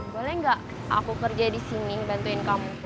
boleh gak aku kerja di sini ngebantuin kamu